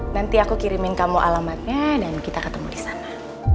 nanti aku kirimin kamu alamatnya dan kita ketemu di sana